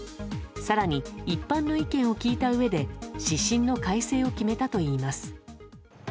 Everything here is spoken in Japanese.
更に一般の意見を聞いたうえで指針の改正を決めたといいます。